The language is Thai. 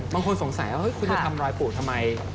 บางคนสงสัยว่าคุณจะทำรอยปู่ทำไม